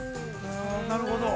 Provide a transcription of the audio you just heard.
◆なるほど。